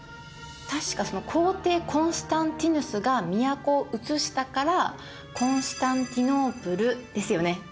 確かその皇帝コンスタンティヌスが都を移したからコンスタンティノープルですよね。